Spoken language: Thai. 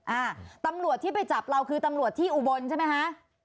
อ่าตำรวจที่ไปจับเราคือตำรวจที่อุบลใช่ไหมคะ